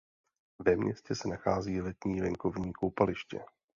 Ve městě se nachází letní venkovní koupaliště.